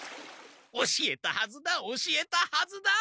教えたはずだ教えたはずだ！